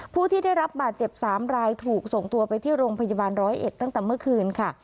ผู้ที่ได้รับบาดเจ็บ๓รายถูกส่งตัวไปที่โรงพยาบาลร้อยเอ็ดตั้งแต่เมื่อคืนค่ะ